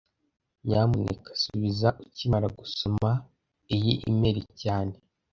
Nyamuneka subiza ukimara gusoma iyi imeri cyane